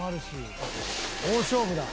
大勝負だ。